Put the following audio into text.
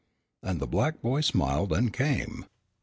And the black boy smiled and came.